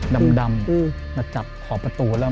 ดำมาจับขอบประตูแล้ว